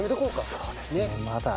そうですねまだ。